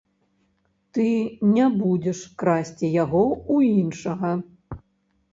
Ты не будзеш красці яго ў іншага.